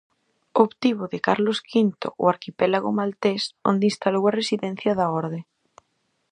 Obtivo de Carlos Quinto o arquipélago maltés, onde instalou a residencia da orde.